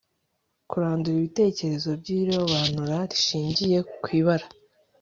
kurandura ibitekerezo by'irobanura rishingiye kw'ibara